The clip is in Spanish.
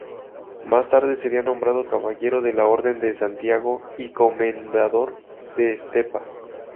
Más tarde sería nombrado Caballero de la Orden de Santiago y Comendador de Estepa.